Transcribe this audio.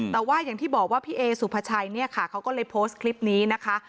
แต่ว่าอย่างที่บอกว่าพี่เอสุภาชัยเนี่ยค่ะเขาก็เลยโพสต์คลิปนี้นะคะ